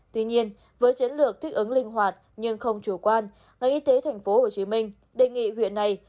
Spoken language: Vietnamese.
tuy nhiên với chiến lược thích ứng linh hoạt nhưng không chủ quan ngành y tế tp hcm đề nghị huyện này